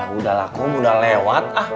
ya udahlah kum udah lewat